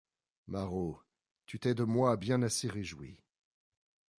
Marot, tu t’es de moi bien assez réjoui.